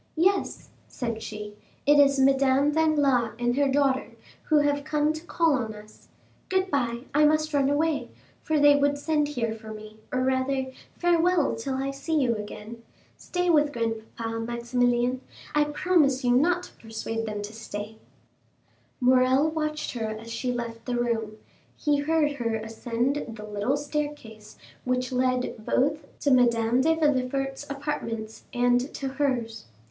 "Yes," said she, "it is Madame Danglars and her daughter, who have come to call on us. Good bye;—I must run away, for they would send here for me, or, rather, farewell till I see you again. Stay with grandpapa, Maximilian; I promise you not to persuade them to stay." 40274m Morrel watched her as she left the room; he heard her ascend the little staircase which led both to Madame de Villefort's apartments and to hers.